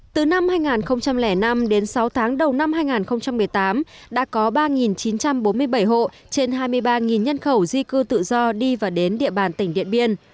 từ năm hai nghìn năm đến sáu tháng đầu năm hai nghìn một mươi tám đã có ba chín trăm bốn mươi bảy hộ trên hai mươi ba nhân khẩu di cư tự do đi và đến địa bàn tỉnh điện biên